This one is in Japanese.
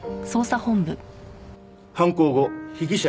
犯行後被疑者